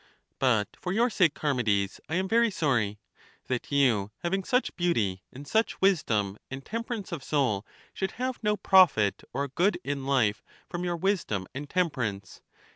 But for your sake, Charmides, I am very sorry — that you, having such beauty and such wisdom and temperance of soul, should have no profit or good in life from your wis dom and temperance.